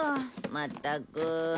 まったく。